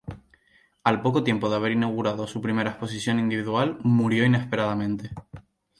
Al poco tiempo de haber inaugurado su primera exposición individual, murió inesperadamente.